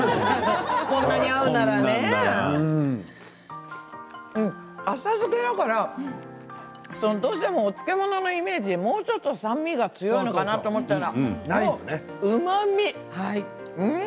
こんなに合うならね浅漬けだからお漬物のイメージでもう少し酸味が強いのかと思ったらうまみ、うん！